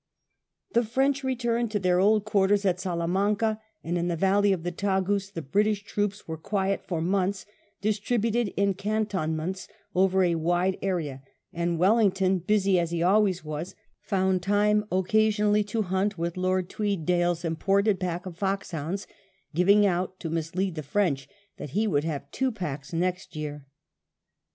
156 WELLINGTON chap. The French returned to their old quarters at Salamanca and in the valley of the Tagus ; the British troops were quiet for months, distributed in cantonments over a wide area ; and Wellington, busy as he always was, found time occasionally to hunt with Lord Tweeddale's imported pack of foxhounds, giving out, to mislead the French, that he would have two packs next year.